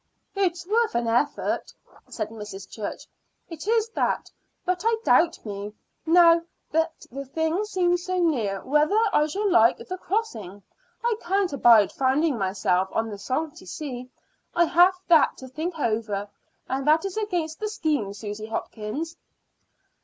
"It's worth an effort," said Mrs. Church; "it is that. But I doubt me, now that the thing seems so near, whether I shall like the crossing. I can't abide finding myself on the salty sea. I have that to think over, and that is against the scheme, Susy Hopkins."